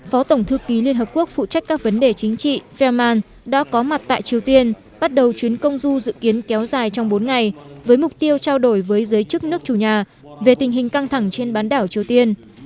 phó tổng thư ký liên hợp quốc phụ trách các vấn đề chính trị framan đã có mặt tại triều tiên bắt đầu chuyến công du dự kiến kéo dài trong bốn ngày với mục tiêu trao đổi với giới chức nước chủ nhà về tình hình căng thẳng trên bán đảo triều tiên